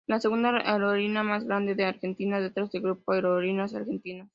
Es la segunda aerolínea más grande de Argentina, detrás del Grupo Aerolíneas Argentinas.